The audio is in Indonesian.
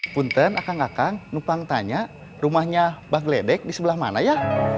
punten akang akang nupang tanya rumahnya bak ledek di sebelah mana ya